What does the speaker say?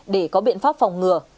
để có biện pháp phòng ngừa